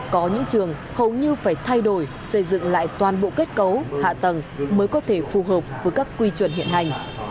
có những trường hầu như phải thay đổi xây dựng lại toàn bộ kết cấu hạ tầng mới có thể phù hợp với các quy chuẩn hiện hành